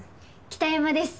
北山です。